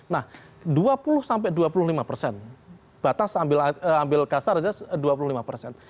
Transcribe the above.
nah dua puluh sampai dua puluh lima persen batas ambil kasar aja dua puluh lima persen